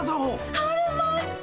晴れました！